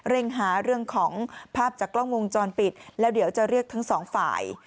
หาเรื่องของภาพจากกล้องวงจรปิดแล้วเดี๋ยวจะเรียกทั้งสองฝ่าย